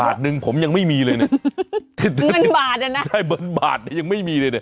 บาทหนึ่งผมยังไม่มีเลยเนี่ยเงินบาทอ่ะนะใช่บนบาทเนี่ยยังไม่มีเลยเนี่ย